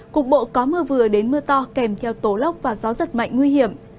cục bộ có mưa vừa đến mưa to kèm theo tố lốc và gió giật mạnh nguy hiểm